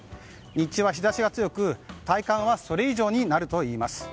日中は日差しが強く体感はそれ以上になるといいます。